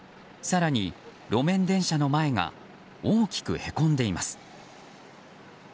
更に、路面電車の前が大きくへこんでいます。